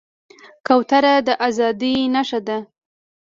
کوتره د ازادۍ نښه ده.